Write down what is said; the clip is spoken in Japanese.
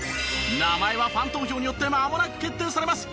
名前はファン投票によってまもなく決定されます。